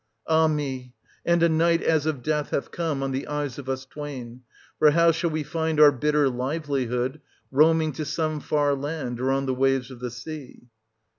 Ah me ! and a night as of death hath come on the eyes of us twain : for how shall we find our bitter livelihood, roaming to some far land, or on the waves of the sea